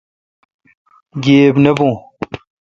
گیبی نہ بون۔